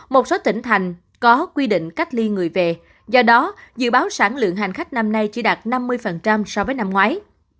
một số tỉnh thành có quy định cách ly người về do đó dự báo sản lượng hành khách năm nay chỉ đạt năm mươi so với năm ngoái